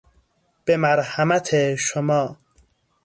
به مرحمت شما